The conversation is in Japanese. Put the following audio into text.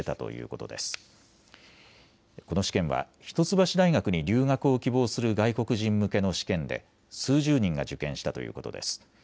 この試験は一橋大学に留学を希望する外国人向けの試験で数十人が受験したということです。